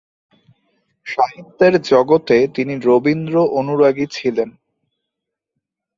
সাহিত্যের জগতে তিনি রবীন্দ্র অনুরাগী ছিলেন।